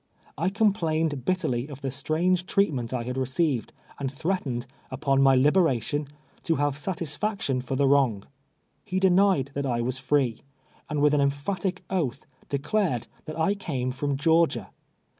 I complained bitterly of the strange treatment I had received, and threat ened, upon my liberation, to have satisfaction for the wrong. He denied that I was free, and with an em phatic oath, declared that I came from Georgia.